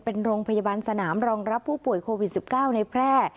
เป็นโรงพยาบาลสนามรองรับผู้ป่วยโควิด๑๙ในแพร่